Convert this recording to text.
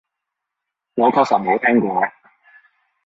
我確實冇聽過